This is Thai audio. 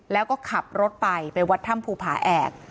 แล้วก็ขับรถไปไปวัดถ้ำภูผาแอก